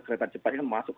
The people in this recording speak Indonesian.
kereta cepatnya kan masuk